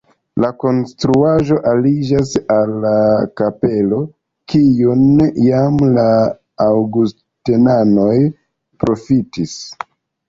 La konstruaĵo aliĝas al la kapelo, kiun jam la aŭgustenanoj profitis.